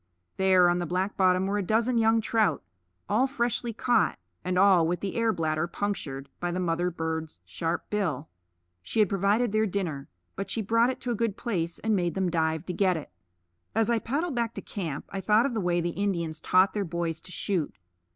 There on the black bottom were a dozen young trout, all freshly caught, and all with the air bladder punctured by the mother bird's sharp bill. She had provided their dinner, but she brought it to a good place and made them dive to get it. As I paddled back to camp, I thought of the way the Indians taught their boys to shoot.